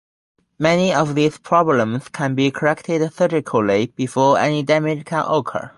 Many of these problems can be corrected surgically before any damage can occur.